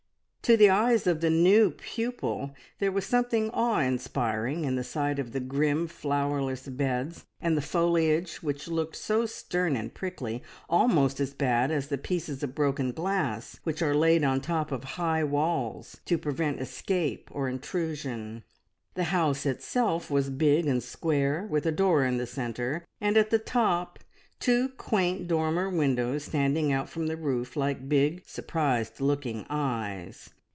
To the eyes of the new pupil there was something awe inspiring in the sight of the grim flowerless beds and the foliage which looked so stern and prickly, almost as bad as the pieces of broken glass which are laid on the top of high walls to prevent escape or intrusion. The house itself was big and square, with a door in the centre, and at the top two quaint dormer windows, standing out from the roof like big surprised looking eyes.